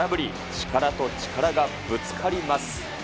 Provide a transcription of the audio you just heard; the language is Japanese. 力と力がぶつかります。